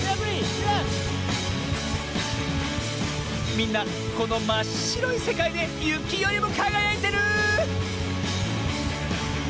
みんなこのまっしろいせかいでゆきよりもかがやいてる！